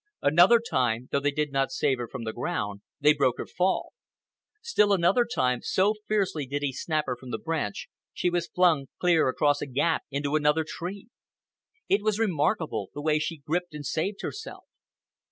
Another time, though they did not save her from the ground, they broke her fall. Still another time, so fiercely did he snap her from the branch, she was flung clear across a gap into another tree. It was remarkable, the way she gripped and saved herself.